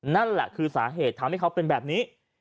นั่นแหละคือสาเหตุทำให้เขาเป็นแบบนี้